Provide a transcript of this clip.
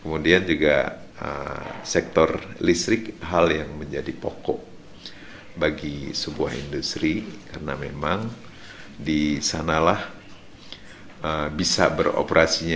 kemudian juga sektor listrik hal yang menjadi pokok bagi sebuah industri karena memang disanalah bisa beroperasinya